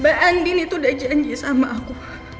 mbak andin itu udah janji sama aku